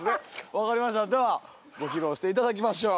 分かりましたではご披露していただきましょう。